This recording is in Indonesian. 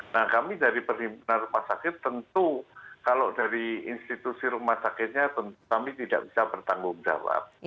nah kami dari perhimpunan rumah sakit tentu kalau dari institusi rumah sakitnya tentu kami tidak bisa bertanggung jawab